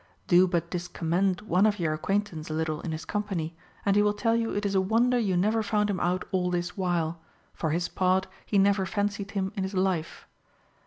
Do but discommend one of your acquaintance a little in his company, and he will tell you it is a wonder you never found him out all this while, for his part he never fancied him in his life.